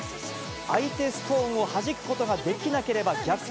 相手ストーンをはじくことができなければ逆転